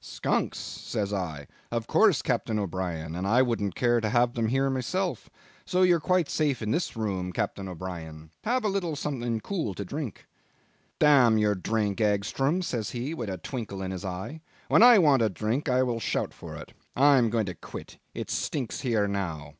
'Skunks!' says I, 'of course, Captain O'Brien, and I wouldn't care to have them here myself, so you're quite safe in this room, Captain O'Brien. Have a little something cool to drink.' 'Dam' your drink, Egstrom,' says he, with a twinkle in his eye; 'when I want a drink I will shout for it. I am going to quit. It stinks here now.